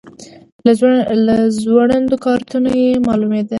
له ځوړندو کارتونو یې معلومېدل.